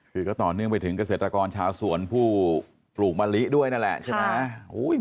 คือก็ต่อเนื่องไปถึงเกษตรกรชาวสวนผู้ปลูกมะลิด้วยนั่นแหละใช่ไหม